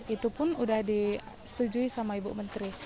itu pun sudah disetujui sama ibu menteri